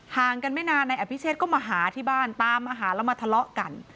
กันไม่นานนายอภิเชษก็มาหาที่บ้านตามมาหาแล้วมาทะเลาะกัน